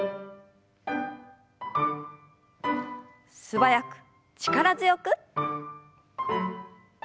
素早く力強く。